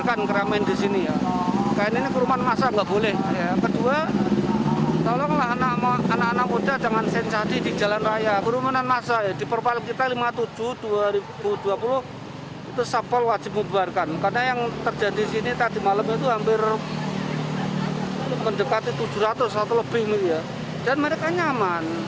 kota semarang ini hampir mendekati tujuh ratus atau lebih miliar dan mereka nyaman